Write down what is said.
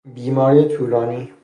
بیماری طولانی